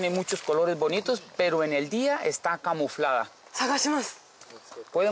探します。